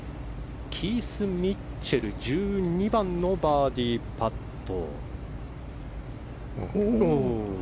キース・ミッチェル１２番のバーディーパット。